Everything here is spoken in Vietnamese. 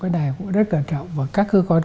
cái này cũng rất cẩn trọng và các cơ quan